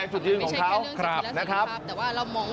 แสดงสุดยืนของเขาครับแต่ว่าเรามองว่าเรื่องปากทรงแล้วสินะครับ